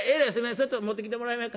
ちょっと持ってきてもらえまへんか。